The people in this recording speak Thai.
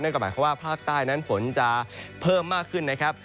ก็หมายความว่าภาคใต้นั้นฝนจะเพิ่มมากขึ้นนะครับ